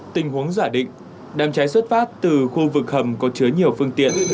tình huống giả định đám cháy xuất phát từ khu vực hầm có chứa nhiều phương tiện